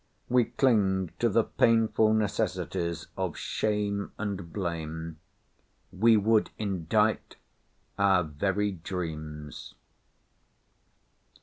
We cling to the painful necessities of shame and blame. We would indict our very dreams.